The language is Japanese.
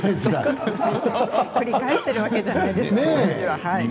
繰り返しているわけじゃないですけどね。